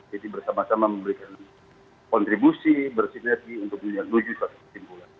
jadi bersama sama memberikan kontribusi bersinergi untuk menunjukkan kesimpulan